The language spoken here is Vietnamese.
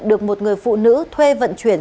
được một người phụ nữ thuê vận chuyển